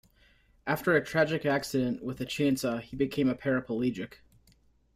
After a tragic accident with a chainsaw he has become a paraplegic.